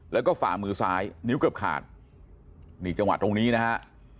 แล้วก็ฝ่ามือซ้ายนิ้วเกือบขาดนี่จังหวะตรงนี้นะฮะ